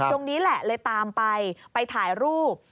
ตรงนี้แหละเลยตามไปไปถ่ายรูป